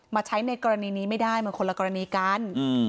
มาใช้ในกรณีนี้ไม่ได้มันคนละกรณีกัน